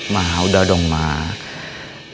mah udah dong mak